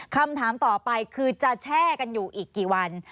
คำถามต่อไปคือจะแช่กันอยู่อีกกี่วัน